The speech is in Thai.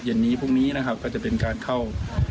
เย็นนี้พรุ่งนี้นะครับก็จะเป็นการเข้า